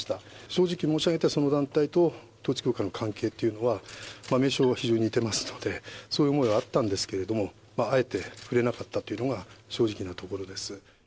正直申し上げて、その団体と統一教会の関係というのは、名称は非常に似てますので、そういう思いはあったんですけれども、あえて触れなかったというのが正直なところです。